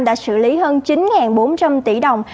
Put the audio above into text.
đã xử lý hơn chín bốn trăm linh tỷ đồng